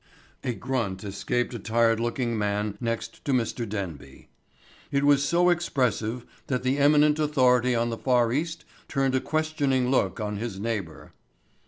A grunt escaped a tired looking man next to Mr. Denby. It was so expressive that the eminent authority on the Far East turned a questioning look on his neighbor.